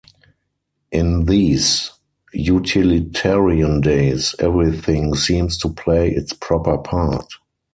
In these utilitarian days, every thing seems to play its proper part.